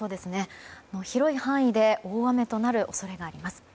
広い範囲で大雨となる恐れがあります。